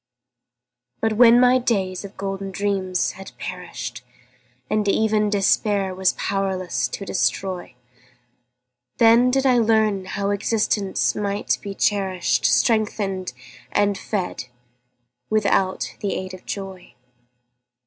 But when my days of golden dreams had perished, And even Despair was powerless to destroy, Then did I learn how existence might be cherished, Strengthened and fed without the aid of joy.